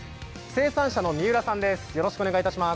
生産者の三浦さんです。